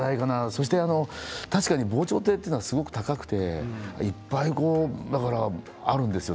そして確かに防潮堤というのはすごく高くていっぱいあるんですよ。